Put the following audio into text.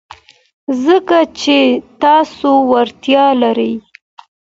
ځکه چې تاسو وړتیا لرئ.